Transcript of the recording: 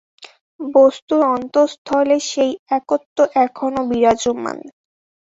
বস্তুর অন্তস্তলে সেই একত্ব এখনও বিরাজমান।